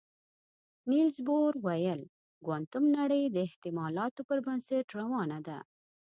نيلز بور ویل چې کوانتم نړۍ د احتمالاتو پر بنسټ روانه ده.